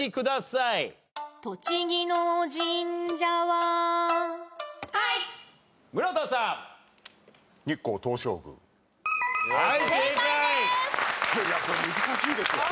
いやこれ難しいですわ。